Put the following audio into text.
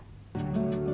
hẹn gặp lại